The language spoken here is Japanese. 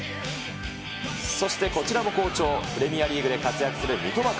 そしてこちらも好調、プレミアリーグで活躍する三笘薫。